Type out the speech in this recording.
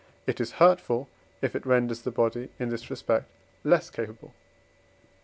it is hurtful, if it renders the body in this respect less capable. Q.